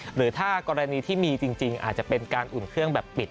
หรือถ้ากรณีที่มีจริงอาจจะเป็นการอุ่นเครื่องแบบปิด